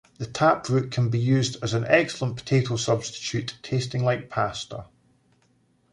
The tap root can be used as an excellent potato substitute, tasting like pasta.